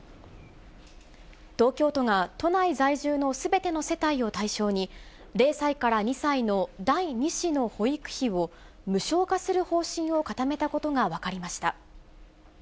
東京都が都内在住のすべての世帯を対象に、０歳から２歳の第２子の保育費を無償化する方針を固めたことが分かりました。